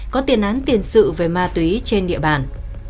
có tiền án tiền sự về ma túy trên địa bàn